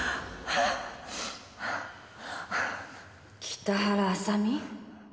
北原麻美？